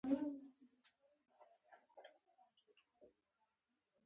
• واده د ژوند اساسي اړتیا ده.